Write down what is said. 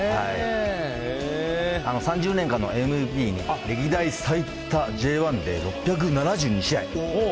３０年間のＭＶＰに歴代最多Ｊ１で６７２試合